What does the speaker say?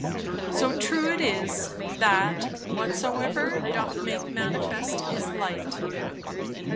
So true it is, that "whatsoever doth make manifest is light."